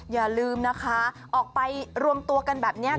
อย่าลืมนะคะออกไปรวมตัวกันแบบนี้